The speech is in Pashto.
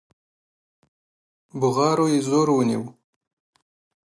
بغارو يې زور ونيو.